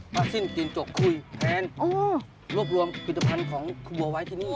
สิ้นจินจกคุยแทนรวบรวมผลิตภัณฑ์ของครูบัวไว้ที่นี่